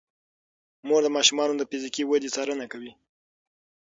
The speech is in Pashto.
مور د ماشومانو د فزیکي ودې څارنه کوي.